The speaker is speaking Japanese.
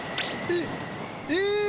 えっ？